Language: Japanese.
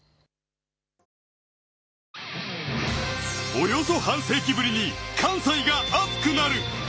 およそ半世紀ぶりに関西が熱くなる。